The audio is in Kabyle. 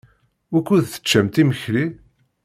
Wukud teččamt imekli?